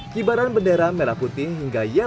kibaran bendera merah putih hingga ya